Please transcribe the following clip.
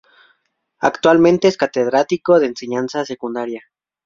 Actualmente es catedrático de enseñanza secundaria.